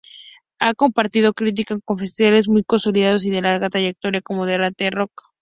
Ha compartido crítica con festivales muy consolidados y de larga trayectoria como Derrame Rock.